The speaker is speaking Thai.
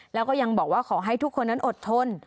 แล้วก็ยังบอกว่าขอให้ทุกคนนั้นอดทน